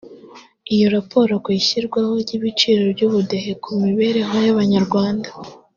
Iyo raporo ku ishyirwaho ry’ibyiciro by’Ubudehe ku mibereho y’Abanyarwanda